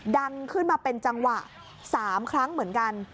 ดังขึ้นมาเป็นจังหวะ๓ครั้งเหมือนกัน